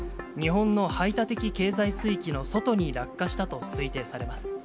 日本の排他的経済水域の外に落下したと推定されます。